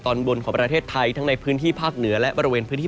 ตอนบนของประเทศไทยทั้งในพื้นที่ภาคเหนือและบริเวณพื้นที่